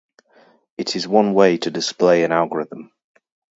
It is one way to display an algorithm.